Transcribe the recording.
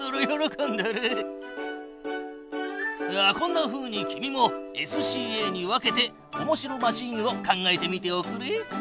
こんなふうに君もＳＣＡに分けておもしろマシーンを考えてみておくれ。